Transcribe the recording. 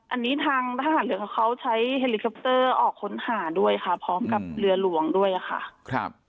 อันนี้ทางทหารเรือเขาใช้เฮลิคอปเตอร์ออกค้นหาด้วยค่ะพร้อมกับเรือหลวงด้วยค่ะครับ